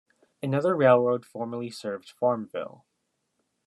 Another railroad formerly served Farmville.